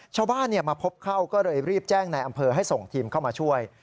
ชาวบ้านมาพบเข้าก็เลยรีบแจ้งในอำเภอให้ส่งทีมเข้ามาช่วย